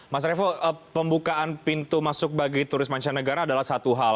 mas revo pembukaan pintu masuk bagi turis mancanegara adalah satu hal